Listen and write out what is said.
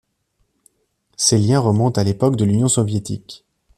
Ces liens remontent à l'époque de l'Union soviétique.